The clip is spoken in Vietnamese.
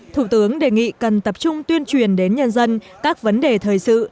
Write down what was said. thủ tướng đề nghị cần tập trung tuyên truyền đến nhân dân các vấn đề thời sự